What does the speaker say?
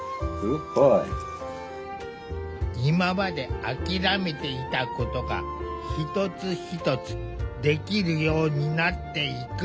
今まで諦めていたことが一つ一つできるようになっていく。